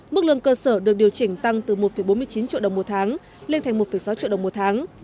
mức lương cơ sở được điều chỉnh tăng từ một bốn mươi chín triệu đồng một tháng lên thành một sáu triệu đồng một tháng